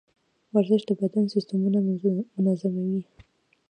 ورزش د بدن سیستمونه منظموي.